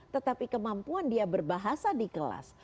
tetapi kemampuan dia berbahasa di kelas